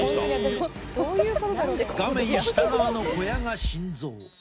画面下側の小屋が心臓。